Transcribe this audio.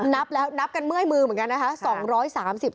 นับแล้วนับกันเมื่อยมือเหมือนกันนะคะ